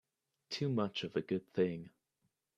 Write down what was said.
Too much of a good thing